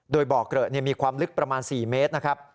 โดยบ่อเกลอะมีความลึกประมาณ๔เมตรนะครับ